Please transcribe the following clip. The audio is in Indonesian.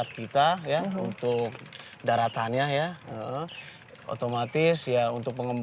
butuh kepastian juga bu